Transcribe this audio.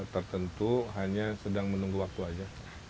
tertentu hanya sedang menunggu waktu aja